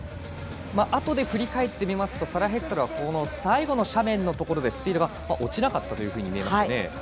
あとで振り返って見ますとサラ・ヘクトルは最後の斜面でスピードが落ちなかったというふうに見えますね。